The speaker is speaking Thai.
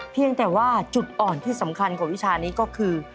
เพียงแต่ว่าจุดอ่อนที่สำคัญของวิชานี้ก็คือ